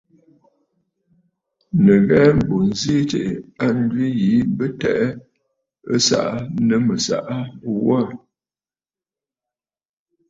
Nɨ ghɛɛ, mbù ǹzi tsiʼǐ a njwi yìi bɨ tɛ'ɛ nsaʼa nɨ mɨ̀saʼa ghu aà.